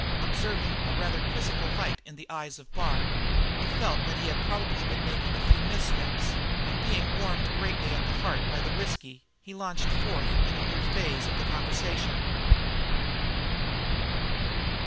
Observing a rather quizzical light in the eyes of Bard, he felt that he had probably been making a few missteps, and being warmed greatly at the heart by the whisky, he launched forth in a new phase of the conversation.